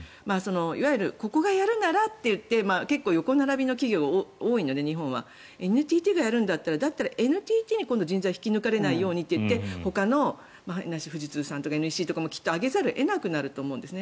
いわゆるここがやるならといって結構、横並びの企業が日本は多いのでＮＴＴがやるんだったらだったらＮＴＴに人材を引き抜かれないようにってほかの富士通さんとかＮＥＣさんとかが上げざるを得なくなると思うんです。